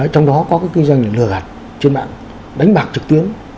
trong đó có cái kinh doanh là lừa gạt trên mạng đánh bạc trực tuyến